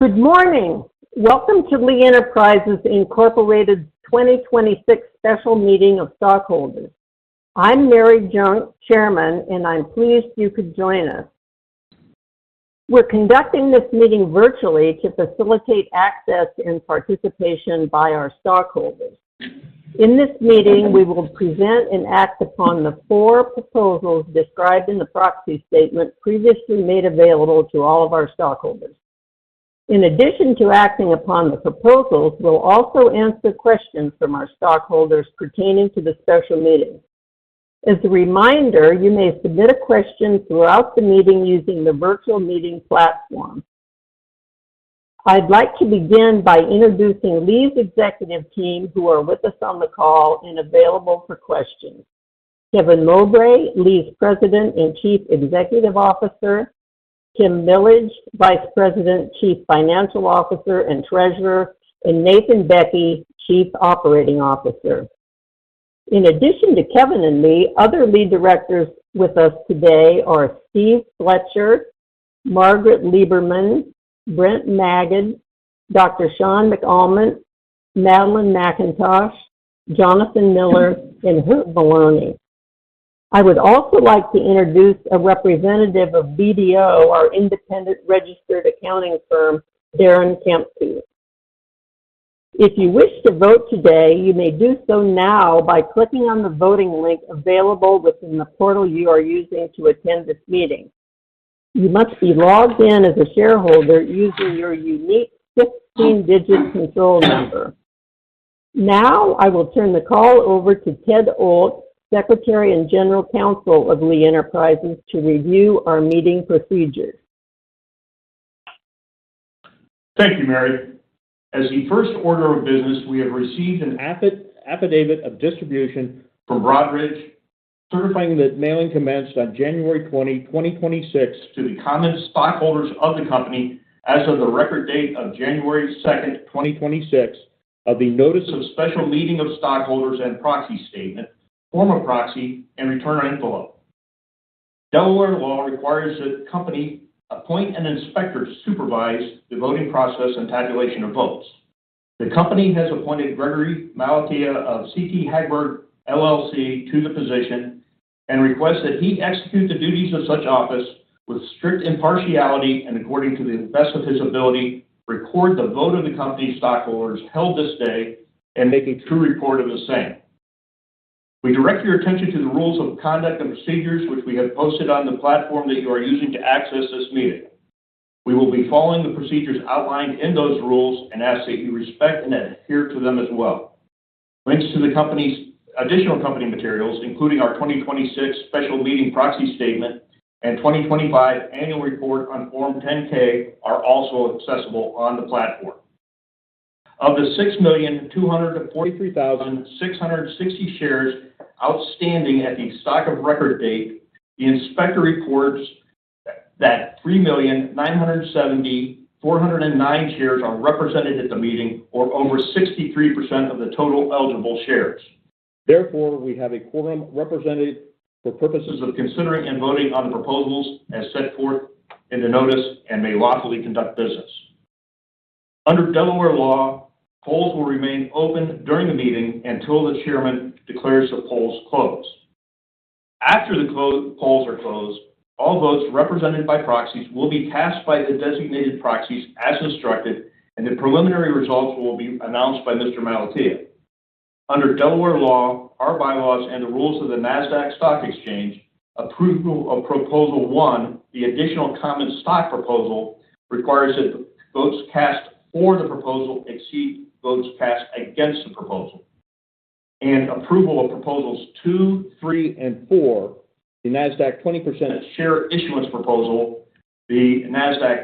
Good morning. Welcome to Lee Enterprises, Incorporated 2026 Special Meeting of Stockholders. I'm Mary Junck, Chairman, and I'm pleased you could join us. We're conducting this meeting virtually to facilitate access and participation by our stockholders. In this meeting, we will present and act upon the four proposals described in the proxy statement previously made available to all of our stockholders. In addition to acting upon the proposals, we'll also answer questions from our stockholders pertaining to the special meeting. As a reminder, you may submit a question throughout the meeting using the virtual meeting platform. I'd like to begin by introducing Lee's executive team who are with us on the call and available for questions. Kevin Mowbray, Lee's President and Chief Executive Officer, Timothy Millage, Vice President, Chief Financial Officer and Treasurer and Nathan Bekke, Chief Operating Officer. In addition to Kevin and me, other lead directors with us today are Steve Fletcher, Megan Liberman, Brent Magid, Dr. Shaun McAlmont, Madeline McIntosh, Jonathan Miller and Hoot Moloney. I would also like to introduce a representative of BDO, our independent registered accounting firm, Darren Dempsey. If you wish to vote today, you may do so now by clicking on the voting link available within the portal you are using to attend this meeting, you must be logged in as a shareholder using your unique 16-digit control number. Now I will turn the call over to Ted, our, Secretary and General Counsel of Lee Enterprises, to review our meeting procedures. Thank you, Mary. As the first order of business, we have received an affidavit of distribution from Broadridge certifying that mailing commenced on January 20, 2026 to the common stockholders of the Company as of the record date of January 2, 2026 of the Notice of Special Meeting of Stockholders and Proxy Statement, Form of Proxy and Return. Delaware law requires that Company appoint an inspector, supervise the voting process and tabulation of votes. The Company has appointed Gregory Malatesta of CT Hagberg LLC to the position and request that he execute the duties of such office with strict impartiality and according to the best of his ability. Record the vote of the company stockholders held this day and make a true report of the same. We direct your attention to the rules of conduct and procedures which we have posted on the platform that you are using to access this meeting. We will be following the procedures outlined in those rules and ask that you respect and adhere to them as well. Links to the company's additional company materials, including our 2026 Special Meeting Proxy Statement and 2025 Annual Report on Form 10-K are also accessible on the platform of the 6,243,660 shares outstanding as of the record date. The Inspector reports that 3,970,409 shares are represented at the meeting, or over 63% of the total eligible shares. Therefore, we have a quorum represented for the purposes of considering and voting on the proposals as set forth in the notice may lawfully conduct business under Delaware law. Polls will remain open during the meeting until the Chairman declares the polls close. After the polls are closed, all votes represented by proxies will be cast by the designated proxies as instructed, and the preliminary results will be announced by Mr. Malatesta. Under Delaware law, our bylaws, and the rules of the Nasdaq Stock Exchange, approval of Proposal one, the Additional Common Stock Proposal requires that votes cast for the proposal exceed votes cast against the proposal and approval of proposals two, three, and four.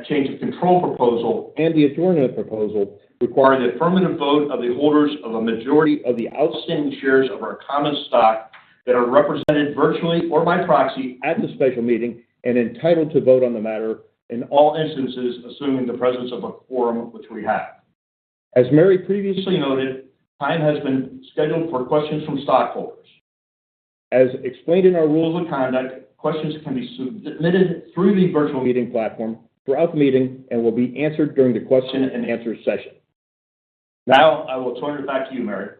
Change of Control Proposal and the adjournment proposal require the affirmative vote of the holders of a majority of the outstanding shares of our Common Stock that are represented virtually or by proxy at the special meeting and entitled to vote on the matter in all instances, assuming the presence of a quorum, which we have. As Mary previously noted, time has been scheduled for questions from stockholders as explained in our rules of conduct questions can be submitted through the virtual meeting platform throughout the meeting and will be answered during the question-and-answer session. Now I will turn it back to you, Mary.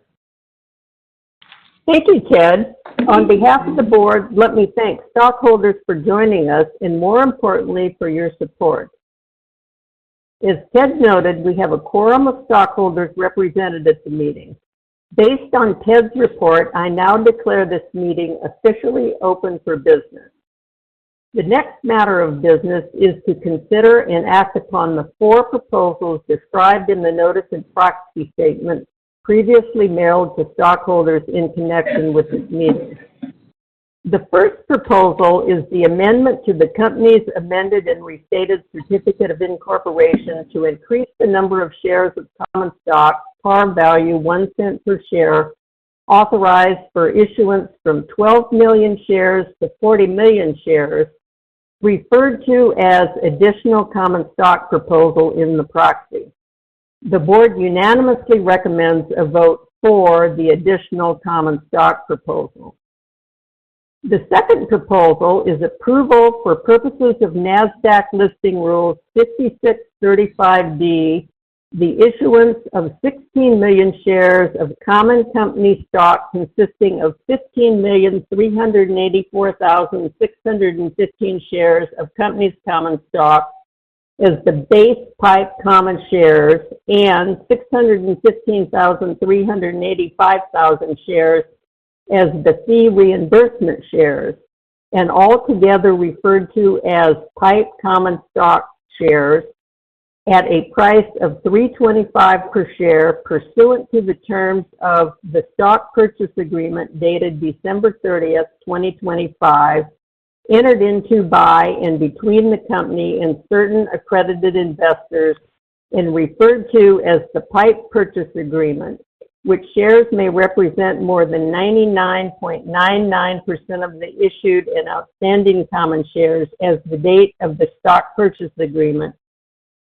Thank you, Ted. On behalf of the Board, let me thank stockholders for joining us and more importantly, for your support. As Ted noted, we have a quorum of stockholders represented at the meeting. Based on Ted's report, I now declare this meeting officially open for business. The next matter of business is to consider and act upon the four proposals described in the Notice and Proxy Statement previously mailed to stockholders in connection with this. The first proposal is the amendment to the company's amended and restated certificate of incorporation to increase the number of shares of Common Stock par value $0.01 per share, authorized for issuance from 12 million shares to 40 million shares, referred to as Additional Common Stock Proposal in the proxy. The Board unanimously recommends a vote for the Additional Common Stock Proposal. The second proposal is approval for purposes of Nasdaq Listing Rule 5635, the issuance of 16,000,000 shares of Common Stock consisting of 15,384,615 shares of company's common stock as the base PIPE common shares and 615,385 shares as the fee reimbursement shares and altogether referred to as PIPE common stock shares at a price of $3.25 per share pursuant to the terms of the stock purchase agreement dated December 30, 2025, entered into, by and between the Company and certain accredited investors referred to as the PIPE Purchase Agreement, which shares may represent more than 99.99% of the issued and outstanding common shares as of the date of the Stock Purchase Agreement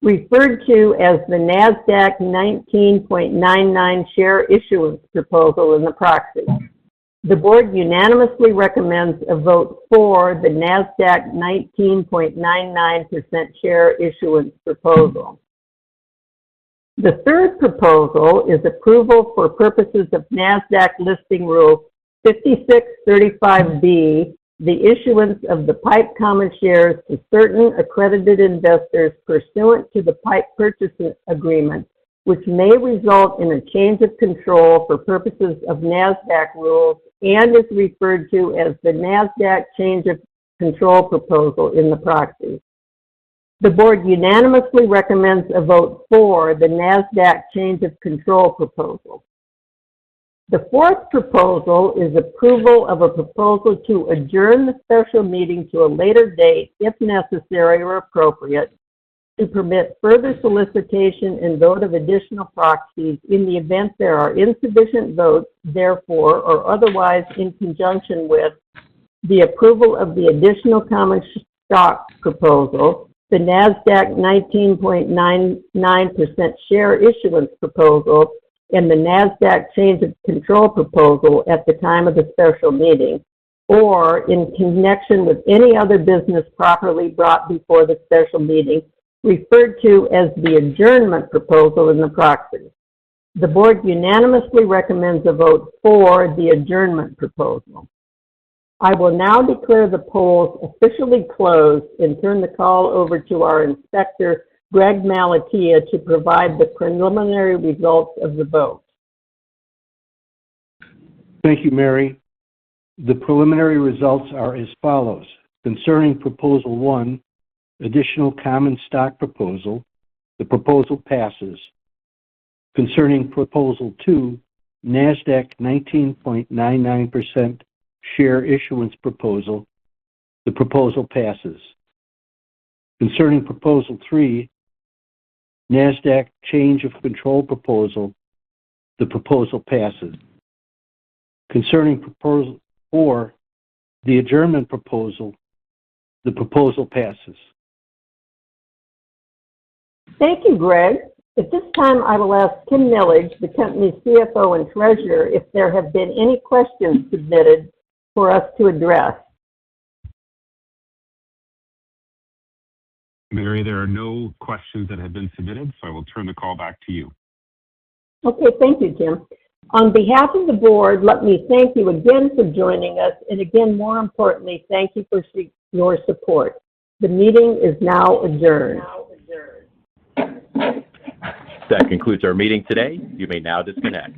referred to as the Nasdaq 19.99% Share Issuance Proposal in the proxy. The board unanimously recommends a vote for the Nasdaq 19.99% Share Issuance Proposal. The third proposal is approval for purposes of Nasdaq Listing Rule 5635(b), the issuance of the PIPE common shares to certain accredited investors pursuant to the PIPE Purchase Agreement, which may result in a Change of Control for purposes of Nasdaq rules is referred to as the Nasdaq Change of Control proposal. in the proxy, the board unanimously recommends a vote for the nasdaq Change of Control Proposal. The fourth proposal is approval of a proposal to adjourn the special meeting to a later date, if necessary or appropriate to permit further solicitation and vote of additional proxies in the event there are insufficient votes, therefore or otherwise, in conjunction with the Change of Control Proposal at the time of the special meeting, or in connection with any other business properly brought before the special meeting referred to as the Adjournment Proposal in the proxy, the Board unanimously recommends a vote for the Adjournment Proposal. I will now declare the polls officially closed and turn the call over to our inspector Gregory Malatesta to provide the preliminary results of the vote. Thank you, Mary. The preliminary results are as follows. Concerning Proposal one, Additional Common Stock Proposal, the proposal passes. Concerning Proposal Change of Control Proposal, the proposal passes. Concerning Proposal four, the adjournment proposal, the proposal passes. Thank you, Greg. At this time, I will ask Tim Millage, the company's CFO and Treasurer, if there haven't been any questions submitted for us to address. Mary, there are no questions that have been submitted, so I will turn the call back to you. Okay, thank you, Tim. On behalf of the Board, let me thank you again for joining us. And again, more importantly, thank you for your support. The meeting is now adjourned. That concludes our meeting today. You may now disconnect.